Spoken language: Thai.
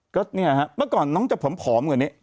ก็เนี่ยฮะเมื่อก่อนน้องจะผอมกว่านี้